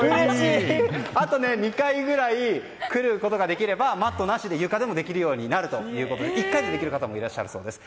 あと２回くらい来ることができればマットなしで、床でもできるようになるということで１回でできる方もいらっしゃるそうです。